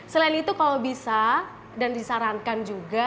selain itu kalau bisa dan disarankan juga